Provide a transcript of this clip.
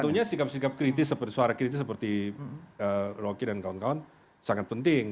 tentunya sikap sikap kritis seperti suara kritis seperti rocky dan kawan kawan sangat penting